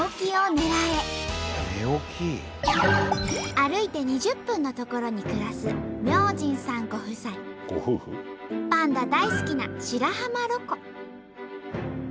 歩いて２０分の所に暮らすパンダ大好きな白浜ロコ。